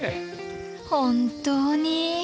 本当に。